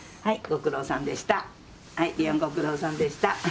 はいご苦労さんでした。